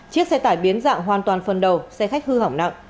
chiếc xe tải biến dạng hoàn toàn phần đầu xe khách hư hỏng nặng